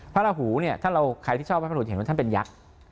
ระหูเนี่ยถ้าเราใครที่ชอบพระพุทธเห็นว่าท่านเป็นยักษ์